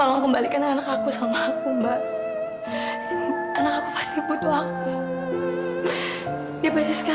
aku mengaku semua ini untuk a'a